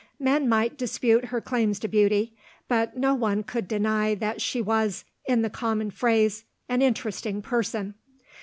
Men might dispute her claims to beauty but no one could deny that she was, in the common phrase, an interesting person.